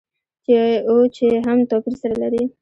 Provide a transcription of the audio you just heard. چې او چي هم توپير سره لري.